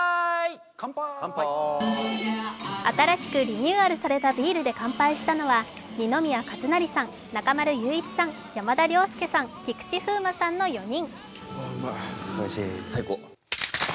新しくリニューアルされたビールで乾杯したのは二宮和也さん、中丸雄一さん、山田涼介さん、菊池風磨さんの４人。